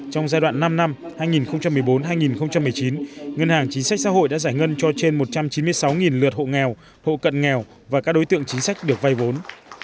trong giai đoạn năm năm hai nghìn một mươi bốn hai nghìn một mươi chín ngân hàng chính sách xã hội đã giải ngân cho trên một trăm chín mươi sáu lượt hộ nghèo hộ cận nghèo và các đối tượng chính sách được vay vốn